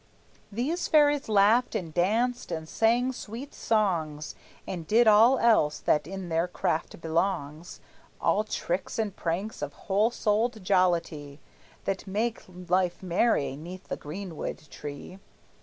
These fairies laughed and danced and sang sweet songs, And did all else that to their craft belongs, All tricks and pranks of whole souled jollity That make life merry 'neath the greenwood tree.